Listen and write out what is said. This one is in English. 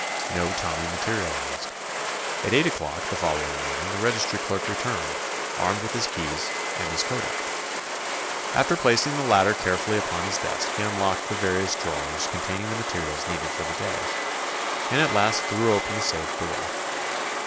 No Tommy materialized. At eight o'clock the following morning the registry clerk returned, armed with his keys and his kodak. After placing the latter carefully upon his desk he unlocked the various drawers containing the materials needed for the day, and at last threw open the safe door.